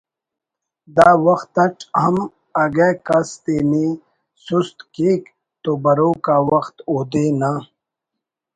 دا وخت اٹ ہم اگہ کس تینے سست کیک تو بروک آ وخت اودے نا